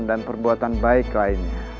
dan perbuatan baik lainnya